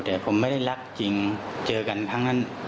แต่ผมไม่ได้รักจริงเจอกันครั้งนั้น